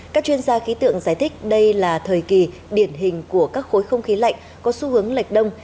các chuyên gia khí tượng giải thích đây là thời kỳ điển hình của các khối không khí lạnh có xu hướng lệch đông